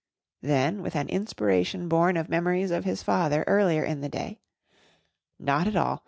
Then, with an inspiration born of memories of his father earlier in the day. "Not at all.